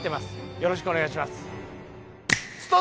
よろしくお願いします。